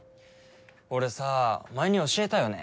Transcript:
俺さ前に教えたよね。